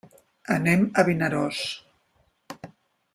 Anem a Vinaròs.